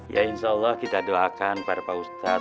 ya insyaallah kita doakan kepada pak ustaz